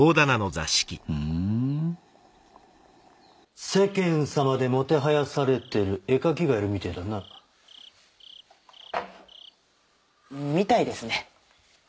ふーん世間様でもてはやされてる絵描きがいるみてぇだなみたいですね